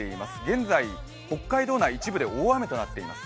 現在、北海道内、一部で大雨となっています。